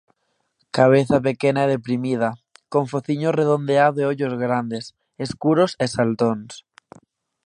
Cabeza pequena e deprimida, con fociño redondeado e ollos grandes, escuros e saltóns.